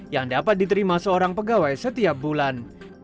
yang dapat diterima seorang pegawai setiap bulan